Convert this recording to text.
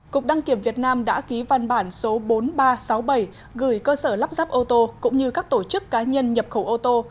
cục đăng kiểm việt nam đã ký văn bản số bốn nghìn ba trăm sáu mươi bảy gửi cơ sở lắp ráp ô tô cũng như các tổ chức cá nhân nhập khẩu ô tô